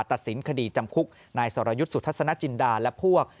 ตัดสินคดีจำคุกนายสรยุทธ์สุทัศนจินดาและพวก